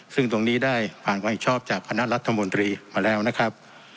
ซึ่งตรงนี้ได้ผ่านความเห็นชอบจากคณะรัฐมนตรีมาแล้วนะครับ